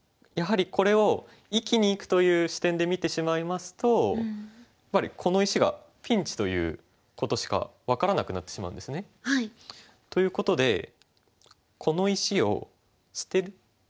やはりこれを生きにいくという視点で見てしまいますとやっぱりこの石がピンチということしか分からなくなってしまうんですね。ということでこの石を捨てる。